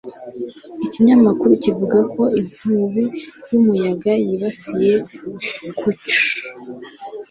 Ikinyamakuru kivuga ko inkubi yumuyaga yibasiye Kyushu